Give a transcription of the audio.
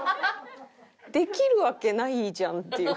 できるわけないじゃんっていうか。